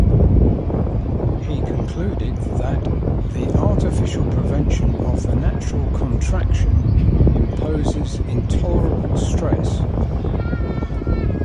He concluded that "the artificial prevention of the natural contraction imposes intolerable stress".